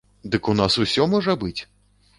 Дык у нас усё можа быць!